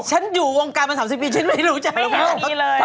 ฉันอยู่วงการมา๓๐ปีฉันไม่รู้จัก